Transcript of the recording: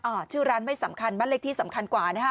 ชื่อร้านไม่สำคัญบ้านเล็กที่สำคัญกว่านะฮะ